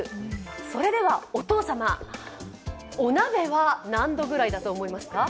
それではお父様、お鍋は何度ぐらいだと思いますか？